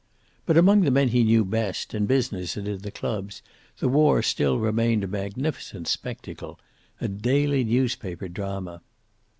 But, among the men he knew best, in business and in the clubs, the war still remained a magnificent spectacle. A daily newspaper drama.